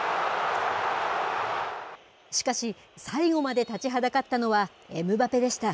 しかし、最後まで立ちはだかったのは、エムバペでした。